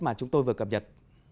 mà chúng tôi vừa cập nhật